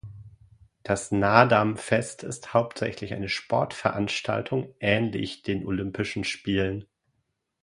Das Naadam-Fest ist hauptsächlich eine Sportveranstaltung ähnlich den Olympischen Spielen.